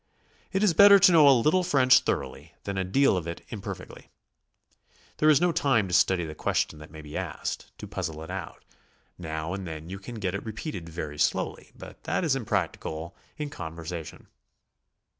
It is better to know a little French thoroughly than a deal of it imperfectly. There is no time to study the question that may be asked, to puzzle it out. Now and then you can get it repeated very slowly, but that is impracticable in con versation.